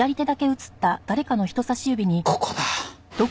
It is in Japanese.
ここだ。